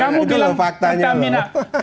itu loh faktanya loh